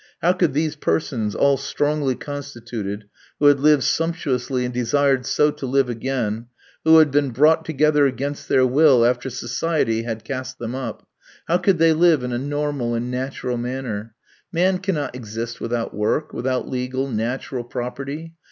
How could these persons, all strongly constituted, who had lived sumptuously, and desired so to live again, who had been brought together against their will, after society had cast them up how could they live in a normal and natural manner? Man cannot exist without work, without legal, natural property.